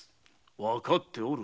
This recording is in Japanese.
わかっておる。